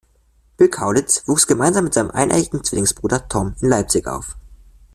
Bill Kaulitz wuchs gemeinsam mit seinem eineiigen Zwillingsbruder Tom in Leipzig auf.